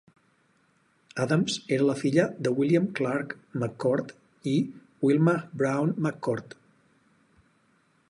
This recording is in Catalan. Adams era la filla de William Clark McCord i Wilmah Brown McCord.